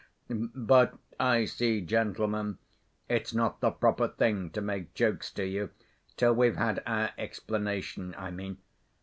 But I see, gentlemen, it's not the proper thing to make jokes to you, till we've had our explanation, I mean.